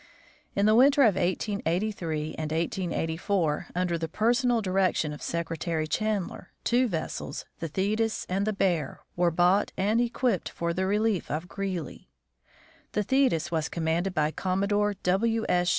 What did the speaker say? In the winter of 1883 and 1884, under the personal direction of Secretary Chandler, two vessels, the Thetis and the Bear, were bought and equipped for the relief of Greely. The Thetis was commanded by Commodore W. S.